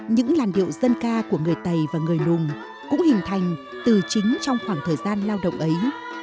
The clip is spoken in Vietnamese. những làn điệu dân ca của người tày và người lùng cũng hình thành từ chính trong khoảng thời gian lao động ấy